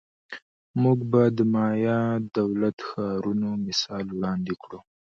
موږ به د مایا دولت ښارونو مثال وړاندې کړو